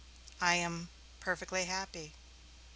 I am perfectly happy."